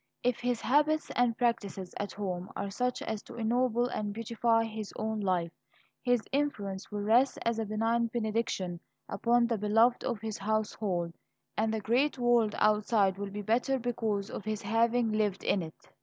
If his habits and practises at home are such as to ennoble and beautify his own life, his influence will rest as a benign benediction upon the beloved of his household, and the great world outside will be better because of his having lived in it.